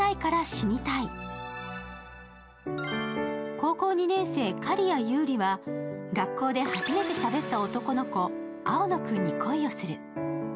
高校２年生、刈谷優里は学校で初めてしゃべった男の子、青野くんに恋をする。